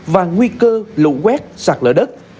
và nguy cơ lũ quét sạt lở đất